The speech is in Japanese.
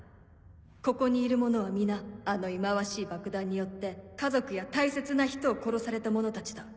ここにいる者は皆あの忌まわしい爆弾によって家族や大切な人を殺された者たちだ。